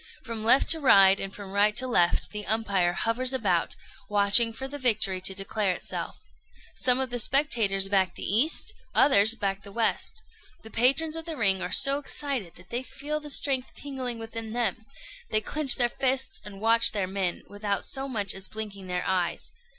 From left to right, and from right to left, the umpire hovers about, watching for the victory to declare itself. Some of the spectators back the east, others back the west. The patrons of the ring are so excited that they feel the strength tingling within them; they clench their fists, and watch their men, without so much as blinking their eyes.